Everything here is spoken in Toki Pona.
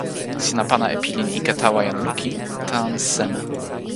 sina pana e pilin ike tawa jan lukin tan seme?